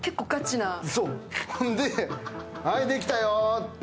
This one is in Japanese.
ほんで、はいできたよって。